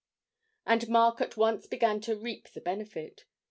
And Mark at once began to reap the benefit.